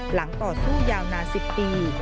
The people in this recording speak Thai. ต่อสู้ยาวนาน๑๐ปี